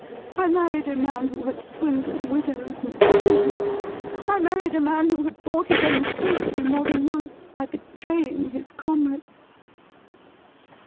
I married a man who had swindled widows and orphans. I married a man who had bought his own safety more than once by betraying his comrades.'